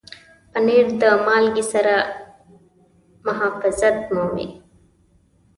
پنېر د مالګې سره محافظت مومي.